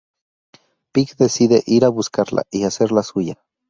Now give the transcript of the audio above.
Pig decide ir a buscarla y hacerla suya.